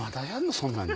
そんなに。